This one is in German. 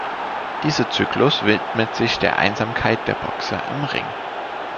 Dieser Zyklus widmet sich der Einsamkeit der Boxer im Ring.